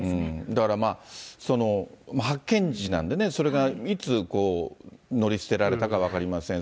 だから発見時なんでね、それがいつ乗り捨てられたか分かりません。